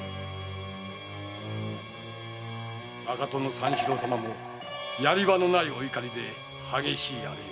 ⁉三四郎様もやり場のない怒りで激しい荒れよう。